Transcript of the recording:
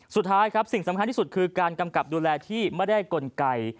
สุดท้ายครับสิ่งสำคัญที่สุดคือการกำกับดูแลที่ไม่ได้กลไก